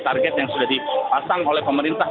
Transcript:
target yang sudah dipasang oleh pemerintah